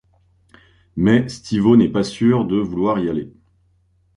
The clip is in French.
Mais, Stevo n'est pas sûr de vouloir y aller.